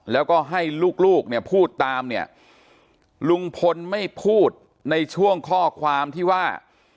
แล้วก็ให้ลูกลูกเนี่ยพูดตามเนี่ยลุงพลไม่พูดในช่วงข้อความที่ว่า